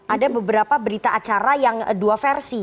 ada beberapa berita acara yang dua versi